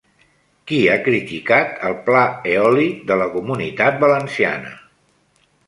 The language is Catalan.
Qui ha criticat el Pla Eòlic de la Comunitat Valenciana?